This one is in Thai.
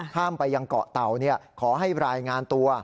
ข้ามไปยังเกาะเต่าขอให้รายงานตัว